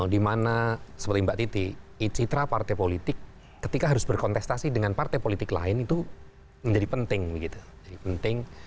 dimana seperti mbak titi citra partai politik ketika harus berkontestasi dengan partai politik lain itu menjadi penting